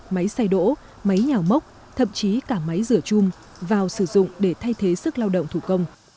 máy xay đỗ máy nhào mốc thậm chí cả máy rửa chung vào sử dụng để thay thế sức lao động thủ công